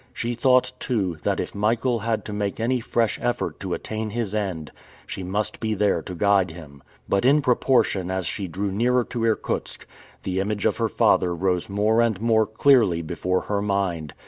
She thought, too, that if Michael had to make any fresh effort to attain his end, she must be there to guide him. But in proportion as she drew nearer to Irkutsk, the image of her father rose more and more clearly before her mind.